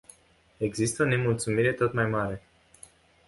Există o nemulțumire tot mai mare.